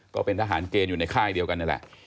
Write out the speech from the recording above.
ก็เป็นทหารเกณฑ์อยู่ในค่ายเดียวกันนี่แหละ